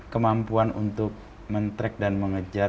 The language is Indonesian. kemampuan untuk men track dan mengejar